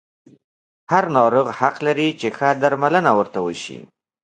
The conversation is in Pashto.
هر ناروغ حق لري چې ښه درملنه ورته وشي.